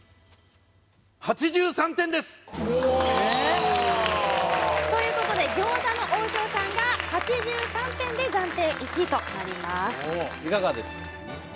８３点ですおおということで餃子の王将さんが８３点で暫定１位となります